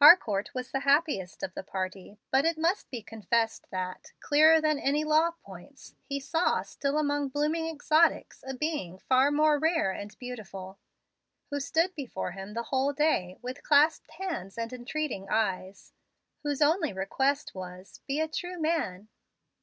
Harcourt was the happiest of the party; but it must be confessed that, clearer than any law points, he saw still among blooming exotics a being far more rare and beautiful, who stood before him the whole day with clasped hands and entreating eyes, whose only request was, "be a true man."